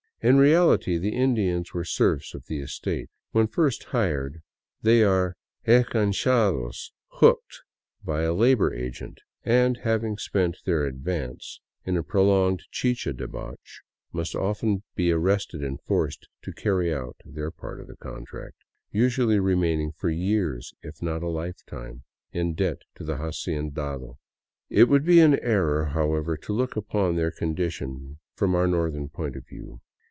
In reality, the Indians were serfs of the estate. When first hired, they are enganchados, *' hooked " by a labor agent, and having spent their " advance " in a prolonged chicha debauch, must often be arrested and forced to carry out their part of the contract, usually remaining for years, if not a lifetime, in debt to the hacendado. It would be an error, however, to look upon their condition from our northern point of view.